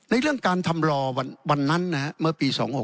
เรื่องการทำรอวันนั้นเมื่อปี๒๖๖